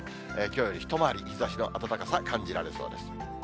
きょうより一回り日ざしの暖かさ感じられそうです。